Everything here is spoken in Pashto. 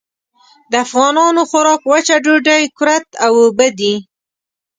د افغانانو خوراک وچه ډوډۍ، کُرت او اوبه دي.